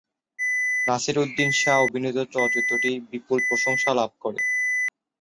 নাসিরুদ্দিন শাহ অভিনীত চলচ্চিত্রটি বিপুল প্রশংসা লাভ করে।